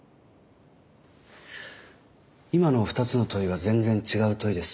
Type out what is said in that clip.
今の２つの問いは全然違う問いです。